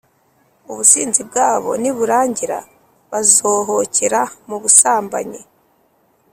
Ubusinzi bwabo niburangira, bazohokera mu busambanyi,